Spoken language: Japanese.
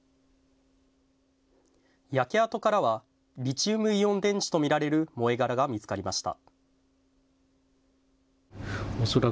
焼け跡からはリチウムイオン電池と見られる燃え殻が見つかりました。